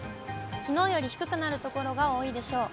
きのうより低くなる所が多いでしょう。